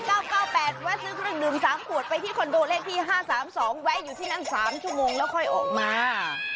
ครับรถทะเบียน๙๙๘ว่าซื้อครึ่งดื่ม๓ขวดไปที่คอนโดเล่นที่๕๓๒ไว้อยู่ที่นั่น๓ชั่วโมงแล้วค่อยออกมา